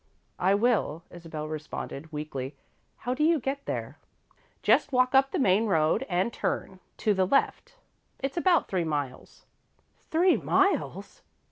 "I will," Isabel responded, weakly. "How do you get there?" "Just walk up the main road and turn to the left. It's about three miles." "Three miles!"